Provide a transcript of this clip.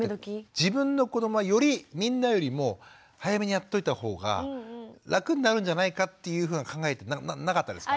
自分の子どもはよりみんなよりも早めにやっておいた方が楽になるんじゃないかというふうな考えなかったですか？